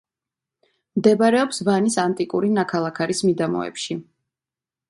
მდებარეობს ვანის ანტიკური ნაქალაქარის მიდამოებში.